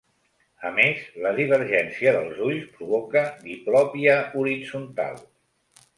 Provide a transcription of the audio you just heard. A més, la divergència dels ulls provoca diplopia horitzontal.